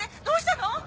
どうしたの！？